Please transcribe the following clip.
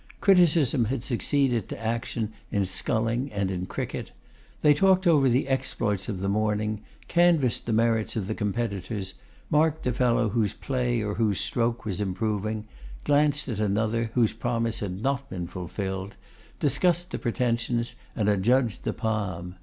Criticism had succeeded to action in sculling and in cricket. They talked over the exploits of the morning; canvassed the merits of the competitors, marked the fellow whose play or whose stroke was improving; glanced at another, whose promise had not been fulfilled; discussed the pretensions, and adjudged the palm.